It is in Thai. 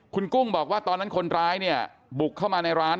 คุณกุ้งบอกว่าตอนนั้นคนร้ายเนี่ยบุกเข้ามาในร้าน